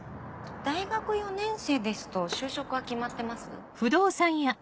大学４年生ですと就職は決まってます？